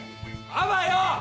あばよ！